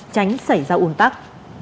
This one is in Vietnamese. tránh xảy ra ủn tắc